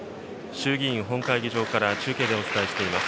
衆議院本会議場から、中継でお伝えしています。